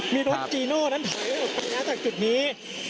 มีรถจีโน่นั้นถอยออกไปนะจากจุดนี้